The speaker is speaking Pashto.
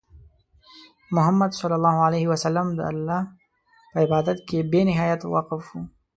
محمد صلى الله عليه وسلم د الله په عبادت کې بې نهایت وقف وو.